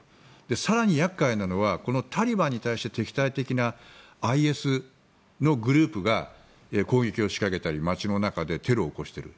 更に厄介なのはタリバンに対して敵対的なＩＳのグループが攻撃を仕掛けたり街の中でテロを起こしている。